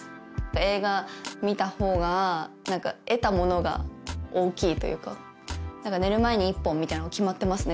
映画見た方がなんか得たものが大きいというかなんか寝る前に１本みたいなのが決まってますね